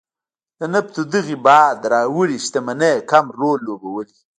د نفتو دغې باد راوړې شتمنۍ کم رول لوبولی.